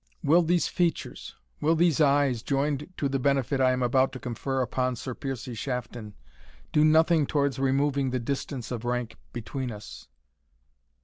"Will these features will these eyes, joined to the benefit I am about to confer upon Sir Piercie Shafton, do nothing towards removing the distance of rank between us?"